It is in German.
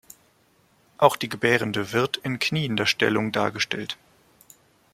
Auch die Gebärende wird in kniender Stellung dargestellt.